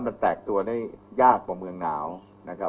มันแตกตัวได้ยากกว่าเมืองหนาวนะครับ